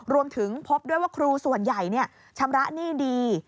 รวมถึงพบด้วยว่าครูส่วนใหญ่ชำระหนี้ดี